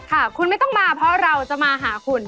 ค่ะคุณไม่ต้องมาเพราะเราจะมาหาคุณ